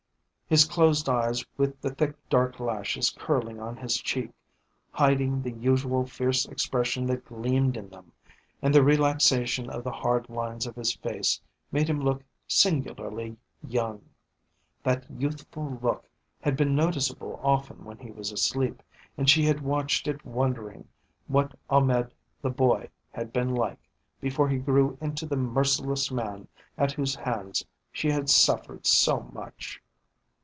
His closed eyes with the thick dark lashes curling on his cheek, hiding the usual fierce expression that gleamed in them, and the relaxation of the hard lines of his face made him look singularly young. That youthful look had been noticeable often when he was asleep, and she had watched it wondering what Ahmed the boy had been like before he grew into the merciless man at whose hands she had suffered so much.